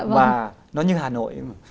và nó như hà nội